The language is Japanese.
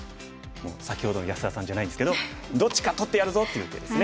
先ほどの安田さんじゃないんですけど「どっちか取ってやるぞ」という手ですね。